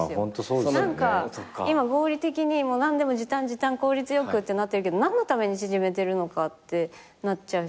今合理的に何でも時短時短効率良くってなってるけど何のために縮めてるのかってなっちゃうし。